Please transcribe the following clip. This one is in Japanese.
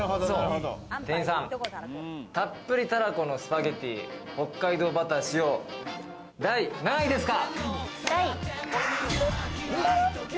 店員さん、たっぷりたらこのスパゲッティ北海道バター使用、第何位ですか？